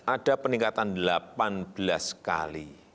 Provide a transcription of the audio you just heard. ada peningkatan delapan belas kali